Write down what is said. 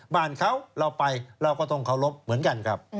บ้านเขาเราไปเราก็ต้องเคารพเหมือนกันครับ